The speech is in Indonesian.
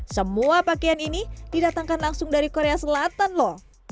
semua pakaian ini didatangkan langsung dari korea selatan loh